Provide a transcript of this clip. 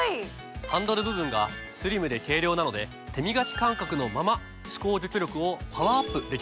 ハンドル部分がスリムで軽量なので手みがき感覚のまま歯垢除去力をパワーアップできるんです。